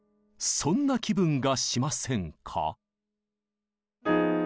そんな気分がしませんか？